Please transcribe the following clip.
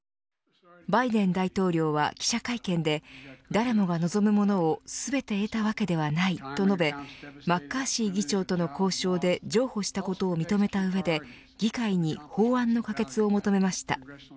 バイデン大統領は記者会見で誰もが望むものを全て得たわけではないと述べマッカーシー議長との交渉で譲歩したことを認めたうえで議会に法案の可決を求めました。